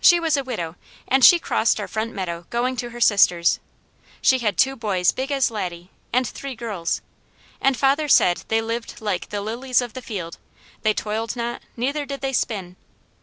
She was a widow and she crossed our front meadow going to her sister's. She had two boys big as Laddie, and three girls, and father said they lived like "the lilies of the field; they toiled not, neither did they spin."